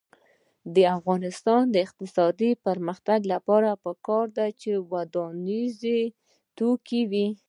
د افغانستان د اقتصادي پرمختګ لپاره پکار ده چې ودانیز توکي وي.